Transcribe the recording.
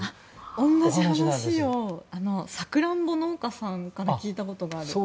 同じ話をサクランボ農家さんから聞いたことがある。